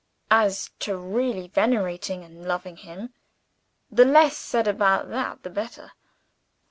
As to really venerating and loving him the less said about that the better.